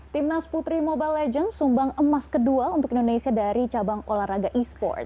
timnas putri mobile legends sumbang emas kedua untuk indonesia dari cabang olahraga e sport